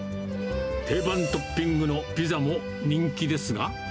定番トッピングのピザも人気ですが。